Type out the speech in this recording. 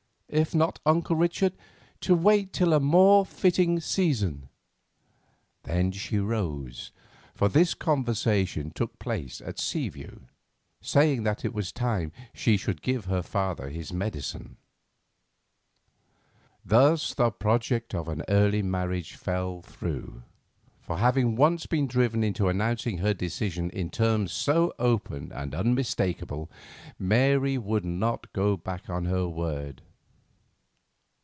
If not, Uncle Richard, to wait till a more fitting season." Then she rose—for this conversation took place at Seaview—saying that it was time she should give her father his medicine. Thus the project of an early marriage fell through; for, having once been driven into announcing her decision in terms so open and unmistakable, Mary would not go back on her word.